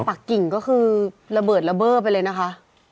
ปากกิ่งก็คือระเบิดระเบิดไปเลยนะคะ